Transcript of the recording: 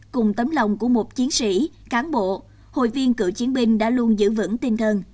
cùng tấm lòng của một chiến sĩ cán bộ hội viên cựu chiến binh đã luôn giữ vững tinh thần